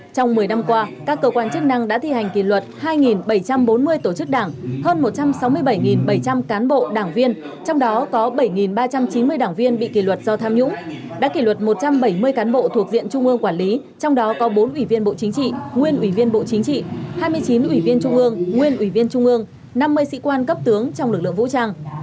trong một mươi năm qua các cơ quan chức năng đã thi hành kỷ luật hai bảy trăm bốn mươi tổ chức đảng hơn một trăm sáu mươi bảy bảy trăm linh cán bộ đảng viên trong đó có bảy ba trăm chín mươi đảng viên bị kỷ luật do tham nhũng đã kỷ luật một trăm bảy mươi cán bộ thuộc diện trung ương quản lý trong đó có bốn ủy viên bộ chính trị nguyên ủy viên bộ chính trị hai mươi chín ủy viên trung ương nguyên ủy viên trung ương năm mươi sĩ quan cấp tướng trong lực lượng vũ trang